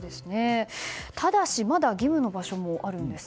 ただし、まだ義務の場所もあるんです。